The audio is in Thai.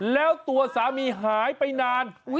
แล้วตัวสามีหายไปนาน